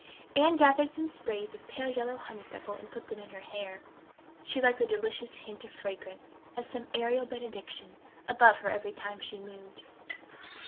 Anne gathered some sprays of pale yellow honeysuckle and put them in her hair. She liked the delicious hint of fragrance, as some aerial benediction, above her every time she moved.